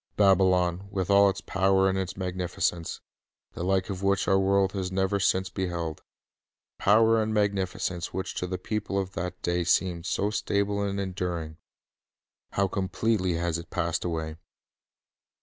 Babylon, with all its power and its magnificence, the like of which our world has never since beheld, — power and magnificence which to the people of that day seemed so stable and enduring, — how completely has it passed away!